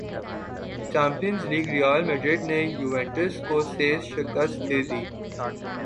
champions League Real Madrid نے Juventus کو سے شکست دے دی